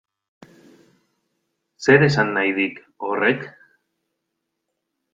Zer esan nahi dik horrek?